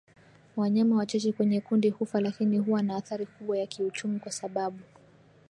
Wanyama wachache kwenye kundi hufa lakini huwa na athari kubwa ya kiuchumi kwa sababu